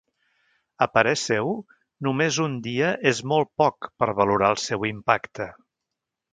A parer seu, només un dia és molt poc per valorar el seu impacte.